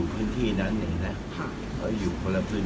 เพื่ออยู่เท่าสองกูเค็ตมาเลย